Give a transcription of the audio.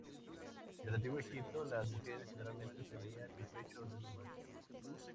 En el antiguo Egipto, las mujeres generalmente tenían el pecho desnudo.